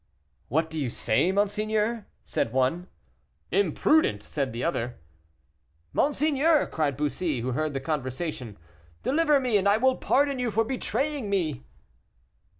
"What do you say, monseigneur?" said one. "Imprudent!" said the other. "Monseigneur," cried Bussy, who heard the conversation, "deliver me, and I will pardon you for betraying me."